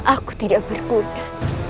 aku tidak berguna